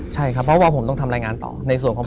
ใช่ครับเพราะว่าผมต้องทำรายงานต่อในส่วนของ